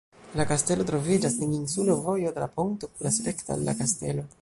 La kastelo troviĝas en insulo, vojo tra ponto kuras rekte al la kastelo.